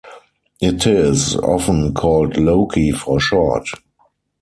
It is often called Loki for short.